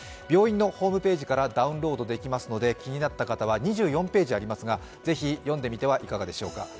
病院のホームページからダウンロードできますので気になった方は２４ページありますが、ぜひ読んでみてはいかがでしょうか？